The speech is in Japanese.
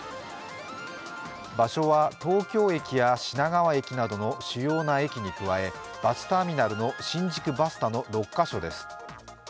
場所は東京駅や品川駅などの主要な駅に加えバスターミナルの新宿バスタの６カ所です。